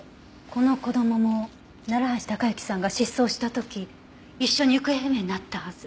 この子供も楢橋高行さんが失踪した時一緒に行方不明になったはず。